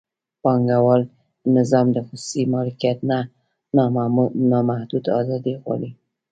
پانګوال نظام د خصوصي مالکیت نامحدوده ازادي غواړي.